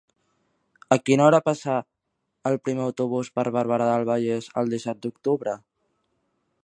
A quina hora passa el primer autobús per Barberà del Vallès el disset d'octubre?